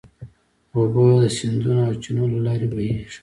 اوبه د سیندونو او چینو له لارې بهېږي.